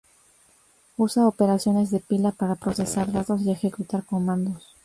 Usa operaciones de pila para procesar datos y ejecutar comandos.